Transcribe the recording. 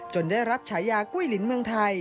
จนได้รับฉายาไก้ลิ้นเมืองไทย